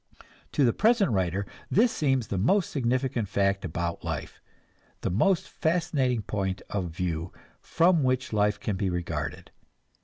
To the present writer this seems the most significant fact about life, the most fascinating point of view from which life can be regarded.